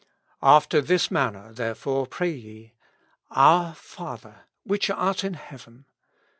After this manner therefore pray ye: Our Father which art in heaven.